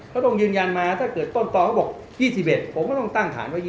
ต้องยืนยันมาถ้าเกิดต้นตอนเขาบอก๒๑ผมก็ต้องตั้งฐานไว้